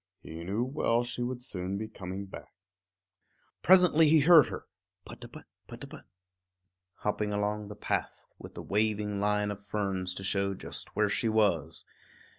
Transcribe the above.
He knew well she would soon be coming back. Presently he heard her, put a put, put a put, hopping along the path, with a waving line of ferns to show just where she was.